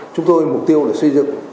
chúng tôi mục tiêu là xây dựng